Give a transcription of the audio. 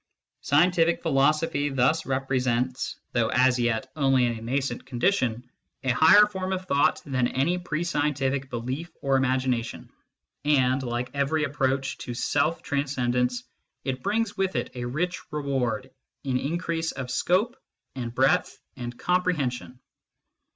Scientific philo sophy thus represents, though as yet only in a nascent condition, a higher form of thought than any pre scientific belief or imagination, and, like every approach to self transcendence, it brings with it a rich reward in increase of scope and breadth and comprehension.